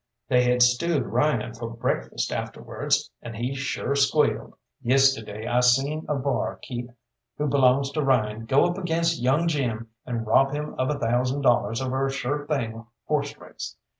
"They had stewed Ryan for breakfast afterwards, and he sure squealed!" "Yesterday I seen a bar keep' who belongs to Ryan go up against young Jim and rob him of a thousand dollars over a sure thing horse race.